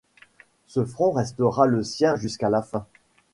Ce front restera le sien jusqu'à la fin.